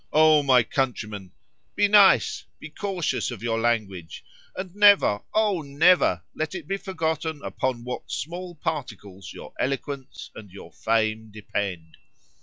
—O my countrymen:—be nice; be cautious of your language; and never, O! never let it be forgotten upon what small particles your eloquence and your fame depend.